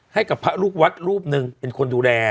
ให้กับพระลูกวัดรูปหนึ่งเป็นคนดูแล